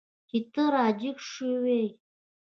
چې ته را جګ شوی یې.